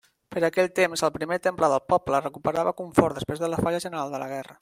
Per aquell temps el primer temple del poble recuperava confort després de la falla general de la guerra.